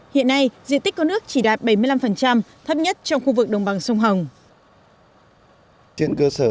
hiện nay diện tích có nước chỉ đạt bảy mươi năm thấp nhất trong khu vực đồng bằng sông hồng